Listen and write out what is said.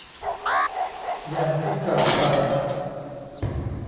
อย่างที่กล่าวไป